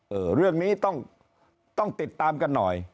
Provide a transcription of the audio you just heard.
เรื่องนี้ต้องต้องติดตามกันหน่อย